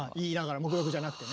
黙読じゃなくてね。